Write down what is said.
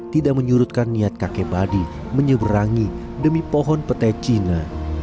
tidak menyurutkan niat kakek badi menyeberangi demi pohon petai cina